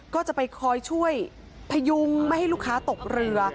ก็จะไปคอยช่วยพยุงไม่ให้ลูกค้าตกเรือ